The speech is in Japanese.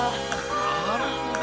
なるほど！